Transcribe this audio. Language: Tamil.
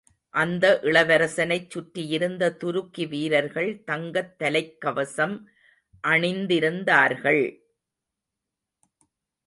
அந்த இளவரசனைச் சுற்றியிருந்த துருக்கி வீரர்கள், தங்கத் தலைக்கவசம் அணிந்திருந்தார்கள்.